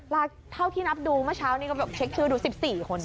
ราเท่าที่นับดูเมื่อเช้านี้ก็เจ็คทรือดู๑๓คน